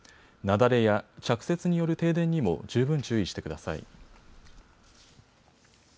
雪崩や着雪による停電にも十分注意してください。